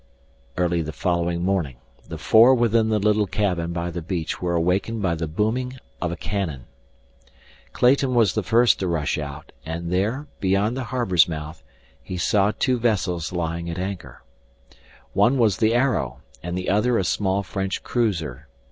Early the following morning the four within the little cabin by the beach were awakened by the booming of a cannon. Clayton was the first to rush out, and there, beyond the harbor's mouth, he saw two vessels lying at anchor. One was the Arrow and the other a small French cruiser.